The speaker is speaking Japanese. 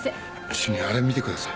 主任あれを見てください。